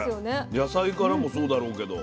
野菜からもそうだろうけど。